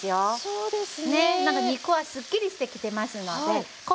そうです。